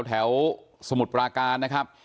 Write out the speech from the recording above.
สมุทรปราการนะครับ